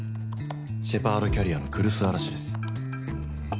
シェパードキャリアの来栖嵐です」。